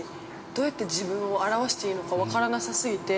どうやって自分を表していいのか分からなさすぎて。